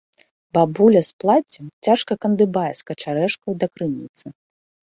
Бабуля з плаццем цяжка кандыбае з качарэжкаю да крыніцы.